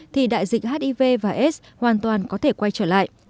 thì đại dịch hiv và s hoàn toàn có thể quay trở lại